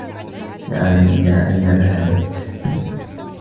لا أعلم إلى أين ذهبت.